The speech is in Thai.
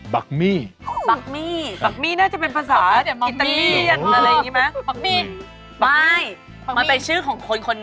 ไม่ได้กวน